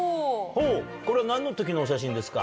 これは何の時のお写真ですか？